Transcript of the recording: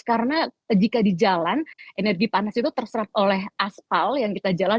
karena jika di jalan energi panas itu terserat oleh aspal yang kita jalan